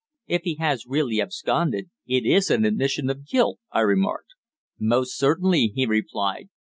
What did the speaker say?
"If he has really absconded, it is an admission of guilt," I remarked. "Most certainly," he replied.